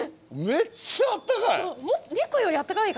めっちゃあったかい！